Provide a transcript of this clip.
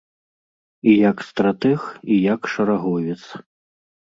І як стратэг, і як шараговец.